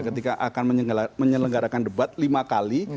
ketika akan menyelenggarakan debat lima kali